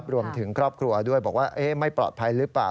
รวมถึงครอบครัวด้วยบอกว่าไม่ปลอดภัยหรือเปล่า